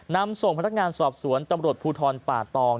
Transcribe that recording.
นำส่งพนักงานสอบสวนตำรวจภูทรป่าตอง